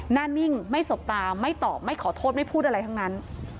หน้านิ่งไม่สบตาไม่ตอบไม่ขอโทษไม่พูดอะไรทั้งนั้น